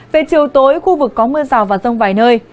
về chiều tối khu vực có mưa rào và rông vài nơi